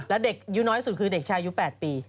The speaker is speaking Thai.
แล้วเด็กยูน้อยสุดคือเด็กชายู๘ปี